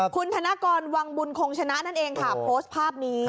คุณธนกรวังบุญคงชนะนั่นเองค่ะโพสต์ภาพนี้